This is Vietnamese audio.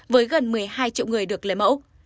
với gần một mươi hai triệu người được lấy mẫu